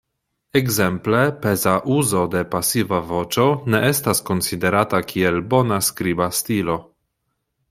Ekzemple, peza uzo de pasiva voĉo ne estas konsiderata kiel bona skriba stilo.